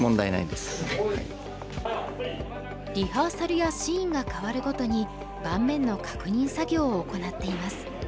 リハーサルやシーンが変わるごとに盤面の確認作業を行っています。